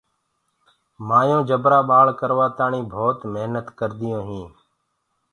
مآيونٚ جبرآ ٻآݪ ڪروآ تآڻيٚ ڀوت محنت ڪرديو هينٚ۔